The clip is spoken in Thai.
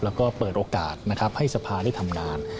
แล้วก็เปิดโอกาสให้ภาพได้ทำงาน